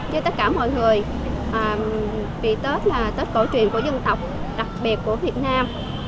như tất cả mọi người vì tết là tết cổ truyền của dân tộc đặc biệt của việt nam